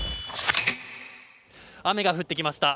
雨が降ってきました。